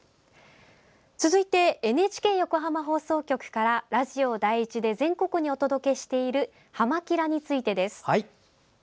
続いて、ＮＨＫ横浜放送局からラジオ第１で全国にお届けしている「はま☆キラ！」についてです。